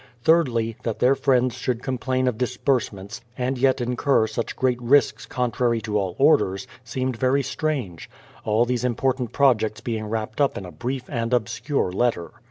Thirdly, that their friends should complain of disbursements, and 220 BRADFORD'S HISTORY OF yet incur such great risks contrary to all orders, seemed very strange, — all these important projects being wrapped up in a brief and obscure letter.